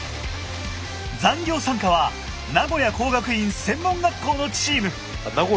「残業参加」は名古屋工学院専門学校のチーム。